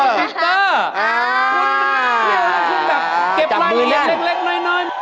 เที่ยวเขาคงแบบเก็บร่างอีกเล็กหน่อย